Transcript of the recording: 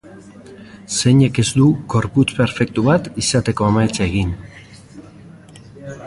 Zeinek ez du gorputz perfektu bat izateko ametsa egin.